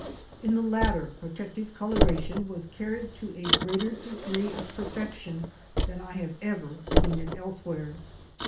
In the latter, pro tective coloration was carried to a greater degree of perfec tion than I have ever seen it elsewhere.